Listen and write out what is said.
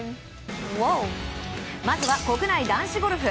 まずは国内男子ゴルフ。